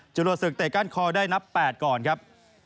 จรวดศึกเตะก้านคอได้นับ๘ก่อนครับ